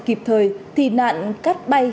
kịp thời thì nạn cắt bay